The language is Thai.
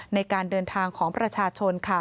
ในการเดินทางของประชาชน